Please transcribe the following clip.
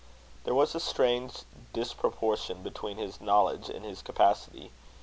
There was a strange disproportion between his knowledge and his capacity.